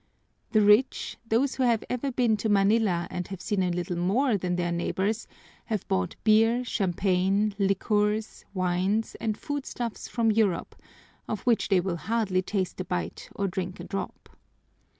The rich, those who have ever been to Manila and have seen a little more than their neighbors, have bought beer, champagne, liqueurs, wines, and food stuffs from Europe, of which they will hardly taste a bite or drink a drop.